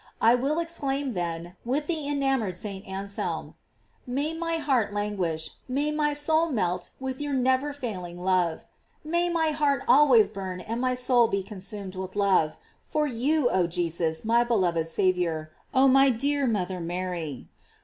I will exclaim, then, with the enamored St. Anselm: May my heart languish, may my soul melt with your never failing love.J May my heart always burn and my soul be consumed with love for you, oh Jesus, my beloved Saviour, oh my dear mother Mary.